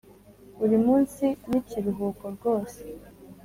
burimunsi nikiruhuko rwose